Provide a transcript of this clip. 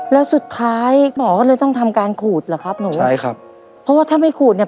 แล้วสุดท้ายหมอก็เลยต้องทำการขูดเหรอครับหนูใช่ครับเพราะว่าถ้าไม่ขูดเนี่ย